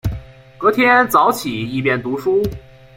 隔天早起一边读书